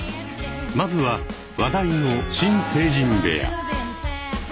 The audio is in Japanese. まずは話題の新成人部屋。